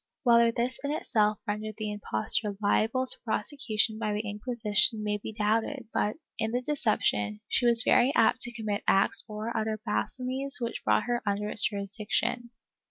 Whether this in itself rendered the impostor liable to prosecution by the Inquisition may be doubted but, in the deception, she was very apt to commit acts or to utter blasphemies which brought her under its jurisdic tion.'